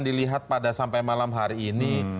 dilihat pada sampai malam hari ini